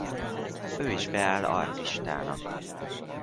Ő is beáll artistának.